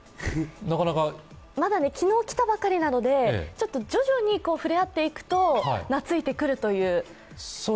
まだ昨日来たばかりなので、徐々に触れ合っていくと懐いてくるという。